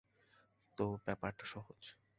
তো, ব্যাপারটা সহজ।